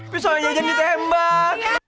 pistolnya jejen ditembak